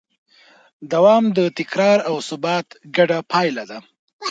دوام د تکرار او ثبات ګډه پایله ده.